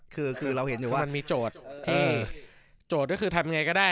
คือเราเห็นอยู่ว่ามันมีโจทย์ที่โจทย์ก็คือทำยังไงก็ได้